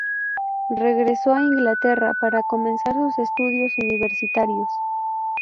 Regresó a Inglaterra para comenzar sus estudios universitarios.